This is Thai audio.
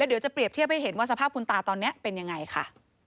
เดี๋ยวจะเปรียบเทียบให้เห็นว่าสภาพคุณตาตอนนี้เป็นยังไงค่ะ